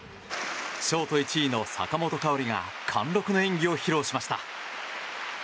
ショート１位の坂本花織が貫禄の演技を披露しました。